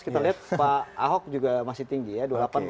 kita lihat pak ahok juga masih tinggi ya